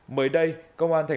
mới đây công an tp hcm